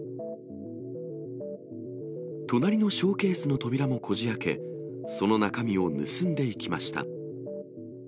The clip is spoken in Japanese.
隣のショーケースの扉もこじあけ、その中身を盗んでいきました。